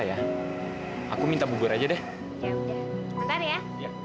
ya aku minta bubur aja deh ya udah ntar ya